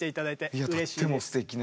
いやとってもすてきな。